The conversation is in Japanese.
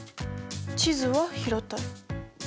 地図は平たい。